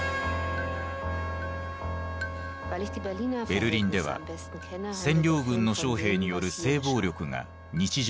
ベルリンでは占領軍の将兵による性暴力が日常